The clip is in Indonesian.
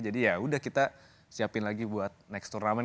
jadi ya udah kita siapin lagi buat next turnamen